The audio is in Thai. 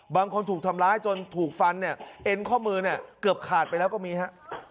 ถูกทำร้ายจนถูกฟันเนี่ยเอ็นข้อมือเนี่ยเกือบขาดไปแล้วก็มีฮะ